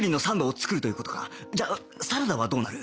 じゃあサラダはどうなる？